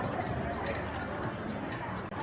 มันเป็นสิ่งที่จะให้ทุกคนรู้สึกว่า